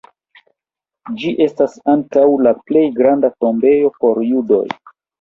Ĝi estas ankaŭ la plej granda tombejo por judoj.